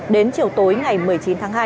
đến chiều tối ngày một mươi chín tháng hai